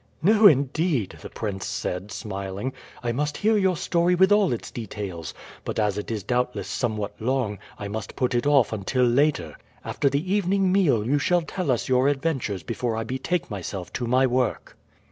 "No, indeed," the prince said smiling. "I must hear your story with all its details; but as it is doubtless somewhat long, I must put it off until later. After the evening meal you shall tell us your adventures before I betake myself to my work."